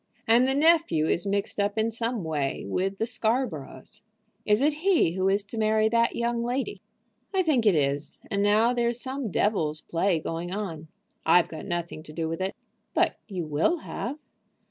And the nephew is mixed up in some way with the Scarboroughs." "Is it he who is to marry that young lady?" "I think it is. And now there's some devil's play going on. I've got nothing to do with it." "But you will have."